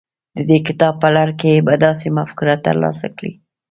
د دې کتاب په لړ کې به داسې مفکوره ترلاسه کړئ.